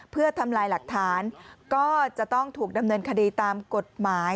เพื่อทำลายหลักฐานก็จะต้องถูกดำเนินคดีตามกฎหมาย